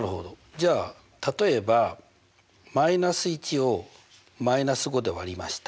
じゃあ例えば−１を−５で割りました。